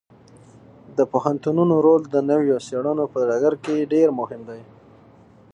د پوهنتونونو رول د نویو څیړنو په ډګر کې ډیر مهم دی.